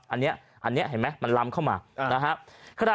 อันนี้อันนี้เห็นมั้ยมันลำเข้ามานะครับ